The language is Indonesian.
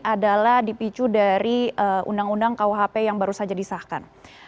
adalah dipicu dari undang undang kuhp yang baru saja disahkan